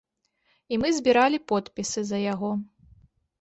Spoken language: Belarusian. І мы збіралі подпісы за яго.